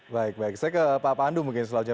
baik baik saya ke pak pandu mungkin selalu jadi